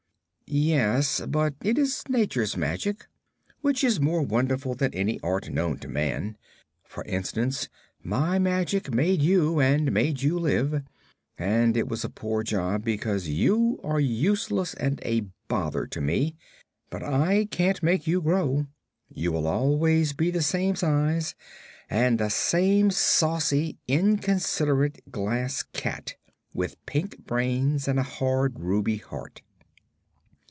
"Yes; but it is Nature's magic, which is more wonderful than any art known to man. For instance, my magic made you, and made you live; and it was a poor job because you are useless and a bother to me; but I can't make you grow. You will always be the same size and the same saucy, inconsiderate Glass Cat, with pink brains and a hard ruby heart."